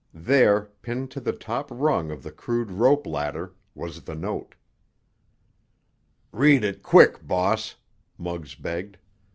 There, pinned to the top rung of the crude rope ladder, was the note. "Read it, quick, boss!" Muggs begged.